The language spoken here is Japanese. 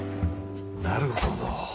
なるほど。